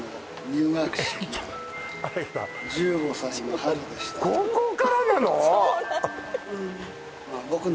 はい高校からなの？